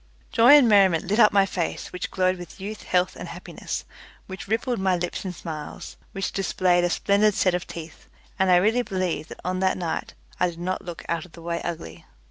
Joy and merriment lit up my face, which glowed with youth, health, and happiness, which rippled my lips in smiles, which displayed a splendid set of teeth, and I really believe that on that night I did not look out of the way ugly.